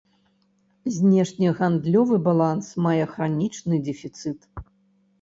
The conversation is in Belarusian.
Знешнегандлёвы баланс мае хранічны дэфіцыт.